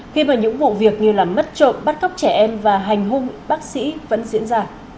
khi mà những vụ việc như là mất trộm bắt cóc trẻ em và hành hung bác sĩ vẫn diễn ra